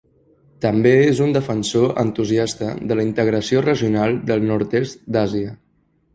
També és un defensor entusiasta de la integració regional del nord-est d'Àsia.